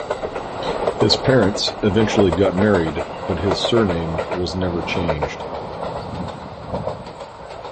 His parents eventually got married but his surname was never changed.